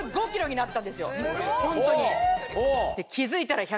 ホントにで。